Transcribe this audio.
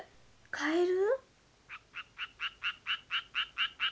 カエル？